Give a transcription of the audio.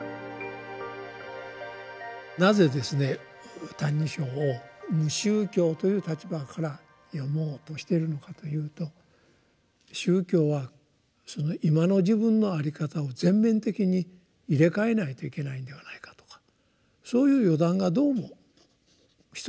なぜですね「歎異抄」を無宗教という立場から読もうとしてるのかというと宗教は今の自分のあり方を全面的に入れ替えないといけないのではないかとかそういう予断がどうも一人歩きしてるんですね。